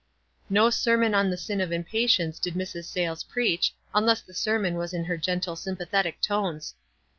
No sermon on the sin of impatience did Mrs. Sayles preach, unless the sermon w r as in hei gentle, sympathetic tones.